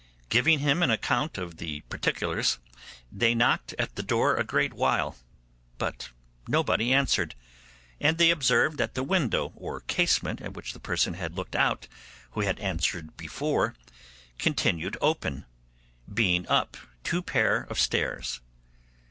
Giving him an account of the particulars, they knocked at the door a great while, but nobody answered; and they observed that the window or casement at which the person had looked out who had answered before continued open, being up two pair of stairs.